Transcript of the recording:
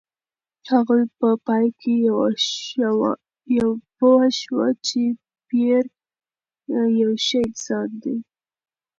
هغه په پای کې پوه شوه چې پییر یو ښه انسان دی.